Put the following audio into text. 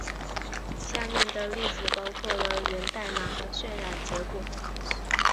下面的例子包括了源代码和渲染结果。